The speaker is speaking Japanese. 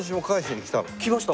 来ました